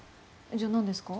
じゃあ何ですか？